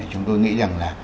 chúng tôi nghĩ rằng là